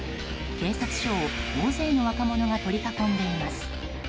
警察署を大勢の若者が取り囲んでいます。